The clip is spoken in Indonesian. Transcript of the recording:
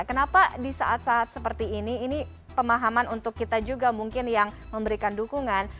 kenapa di saat saat seperti ini ini pemahaman untuk kita juga mungkin yang memberikan dukungan